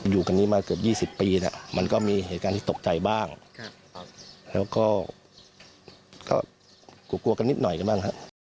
อยู่กันนี้มาเกือบ๒๐ปีแล้วมันก็มีเหตุการณ์ที่ตกใจบ้างแล้วก็กลัวกันนิดหน่อยกันบ้างฮะ